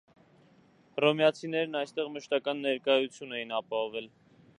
Հռոմեացիներն այստեղ մշտական ներկայություն էին ապահովել։